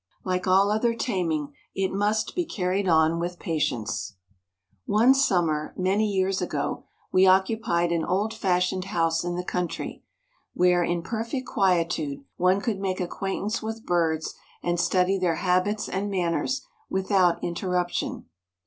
Like all other taming, it must be carried on with patience. One summer, many years ago, we occupied an old fashioned house in the country, where, in perfect quietude, one could make acquaintance with birds and study their habits and manners without interruption.